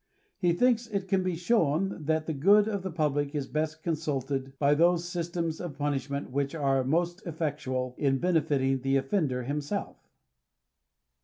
He thinks *' it can be shown that the good of the public is best consulted by those systems of punishment which are most effectual in benefiting the offender himself."